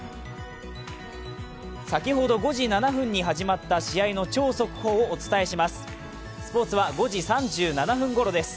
先ほど５時７分に始まった試合の超速報をお伝えします。